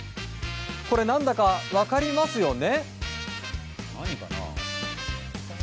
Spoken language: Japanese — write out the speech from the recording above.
これ何だか分かりますよね？